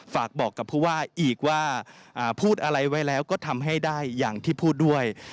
ฝากบอกกับผู้ว่าอีกว่าพูดอะไรไว้แล้วก็ทำให้ได้อย่างที่พูดด้วย